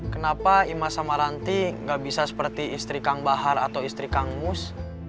kenapa imas sama ranti gak bisa seperti istri kang bahar atau istri kang mus